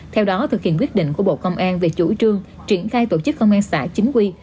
theo đó thực hiện quyết định của bộ công an về chủ trương triển khai tổ chức công an xã chính quy